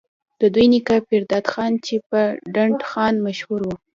د دوي نيکه پيرداد خان چې پۀ ډنډ خان مشهور وو،